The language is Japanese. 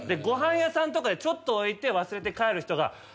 「ご飯屋さんとかでちょっと置いて忘れて帰る人が」